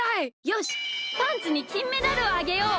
よしパンツにきんメダルをあげよう！